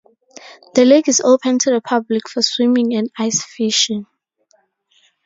The lake is open to the public for swimming and ice fishing.